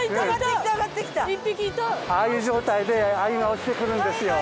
ああいう状態で鮎が落ちてくるんですよ。